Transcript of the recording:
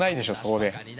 そこで。